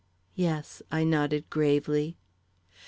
"Yes," I nodded gravely.